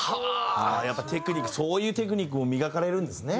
やっぱりテクニックそういうテクニックも磨かれるんですね。